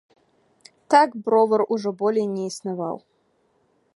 Так бровар ужо болей не існаваў.